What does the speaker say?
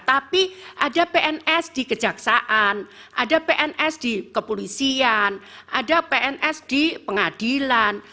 tapi ada pns di kejaksaan ada pns di kepolisian ada pns di pengadilan